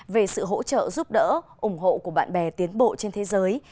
về sự hỗ trợ giúp đỡ ủng hộ của bạn bè tiến bộ trên thế giới